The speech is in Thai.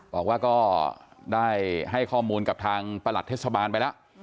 บอกว่าก็ได้ให้ข้อมูลกับทางประหลัดเทศบาลไปแล้ว